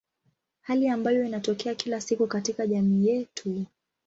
Hali ambayo inatokea kila siku katika jamii yetu.